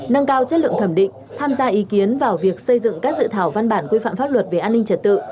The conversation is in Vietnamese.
nâng cao chất lượng thẩm định tham gia ý kiến vào việc xây dựng các dự thảo văn bản quy phạm pháp luật về an ninh trật tự